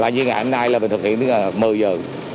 như ngày hôm nay là mình thực hiện một mươi giờ